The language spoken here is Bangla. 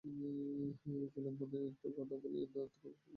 বিল্বন একটি কথাও বলিলেন না–আর্দ্র হৃদয়ে চুপ করিয়া বসিয়া দেখিতে লাগিলেন।